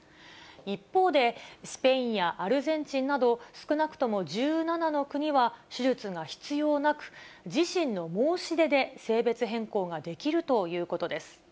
一方で、スペインやアルゼンチンなど、少なくとも１７の国は、手術が必要なく、自身の申し出で性別変更ができるということです。